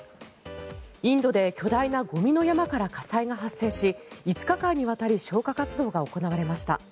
インドで巨大なゴミの山から火災が発生し５日間にわたり消火活動が行われました。